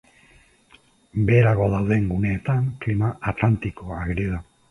Beherago dauden guneetan klima atlantikoa ageri da.